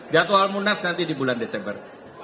jadwal munas nanti di bulan desember